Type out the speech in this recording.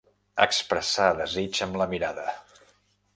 Expressar desig amb la mirada.